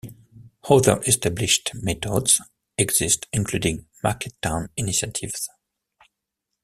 Other established methods exist including Market Town Initiatives.